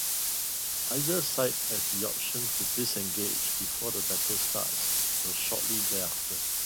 Either side has the option to disengage before the battle starts or shortly thereafter.